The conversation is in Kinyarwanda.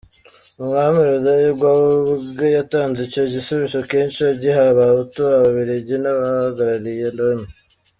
Umwami Rudahigwa ubwe yatanze icyo gisubizo kenshi, agiha Abahutu, Ababiligi, n’abahagarariye Loni.